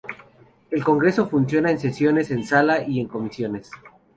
El Congreso funciona en sesiones en sala y en comisiones.